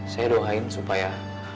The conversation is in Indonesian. saya doain supaya